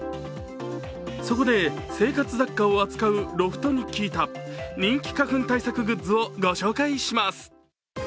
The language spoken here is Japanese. そこで、生活雑貨を扱うロフトに聞いた人気花粉対策グッズをご紹介します。